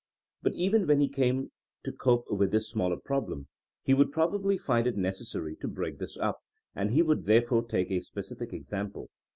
But even when he came to cope with this smaller problem he would probably find it necessary to break this up, and he would therefore take a specific example.